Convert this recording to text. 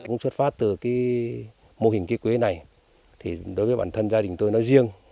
tôi cũng xuất phát từ mô hình cây quế này đối với bản thân gia đình tôi nó riêng